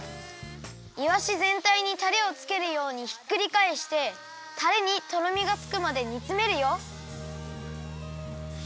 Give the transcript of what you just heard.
いわしぜんたいにタレをつけるようにひっくりかえしてタレにとろみがつくまでにつめるよ。